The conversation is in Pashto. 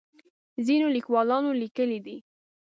ځینو لیکوالانو لیکلي دي.